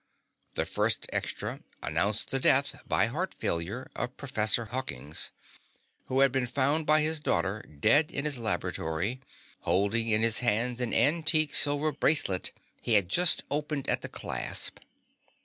The first extra announced the death by heart failure of Professor Hawkins, who had been found by his daughter, dead in his laboratory, holding in his hands an antique silver bracelet he had just opened at the clasp.